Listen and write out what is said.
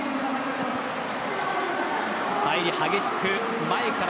入り激しく前から